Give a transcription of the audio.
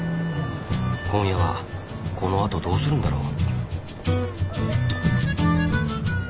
今夜はこのあとどうするんだろう？